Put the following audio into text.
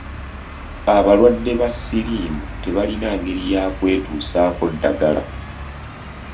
Abalwadde ba ssiriimu tebalina ngeri ya kwetusaako ddagala.